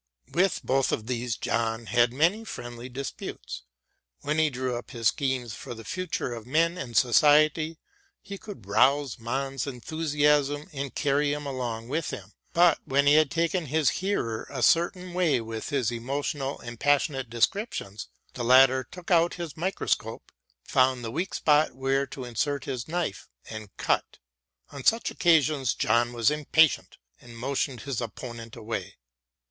With both of these John had many friendly disputes. When he drew up his schemes for the future of men and society he could rouse Måns' enthusiasm and carry him along with him, but when he had taken his hearer a certain way with his emotional and passionate descriptions, the latter took out his microscope, found the weak spot where to insert his knife, and cut. On such occasions John was impatient and motioned his opponent away.